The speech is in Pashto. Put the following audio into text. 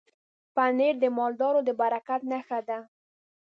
پنېر د مالدارو د برکت نښه ده.